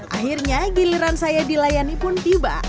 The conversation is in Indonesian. akhirnya giliran saya dilayani pun tiba